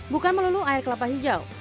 bukan melulu air kelapa hijau